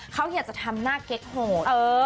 เขาอยากจะทำหน้าเก๊กโหด